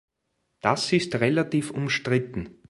Das ist relativ umstritten.